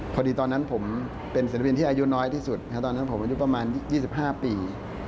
ตอนนั้นผมเป็นศิลปินที่อายุน้อยที่สุดตอนนั้นผมอายุประมาณ๒๕ปี